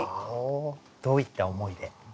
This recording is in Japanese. どういった思いで？